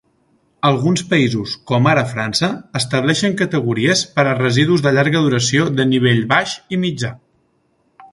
Alguns països, com ara França, estableixen categories per a residus de llarga duració de nivell baix i mitjà.